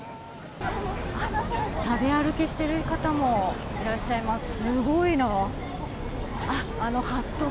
食べ歩きしている方もいらっしゃいます。